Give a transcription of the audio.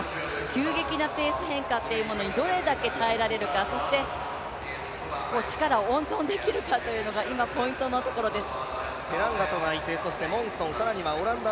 急激なペース変化というものにどれだけ耐えられるかそして、力を温存できるかというのが今、ポイントのところです。